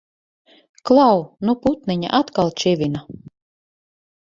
Klau! Nu putniņi atkal čivina!